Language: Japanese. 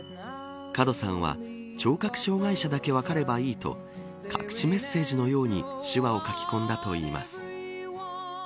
門さんは聴覚障害者だけ分かればいいと隠しメッセージのように手話を書き込んだといいます。